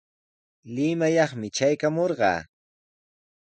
Limayaqmi traykamurqaa.